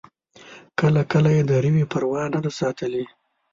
کله کله یې د روي پروا نه ده ساتلې.